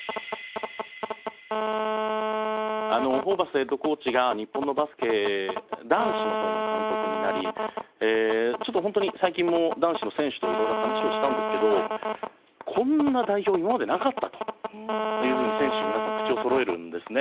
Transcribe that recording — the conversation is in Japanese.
ホーバスヘッドコーチが日本のバスケ男子の方の監督になりちょっとホントに最近も男子の選手と色々話をしたんですけど「こんな代表今までなかった」というふうに選手の皆さん口をそろえるんですね。